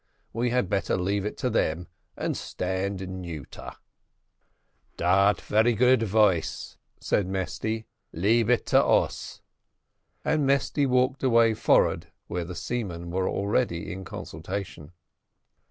We had better leave it to them, and stand neuter." "Dat very good advice," said Mesty; "leab it to us;" and Mesty walked away forward where the seamen were already in consultation.